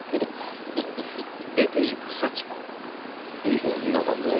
いい女だねぇ。